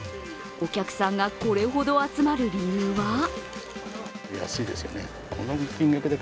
お客さんがこれほど集まる理由は？